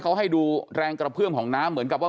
เขาให้ดูแรงกระเพื่อมของน้ำเหมือนกับว่า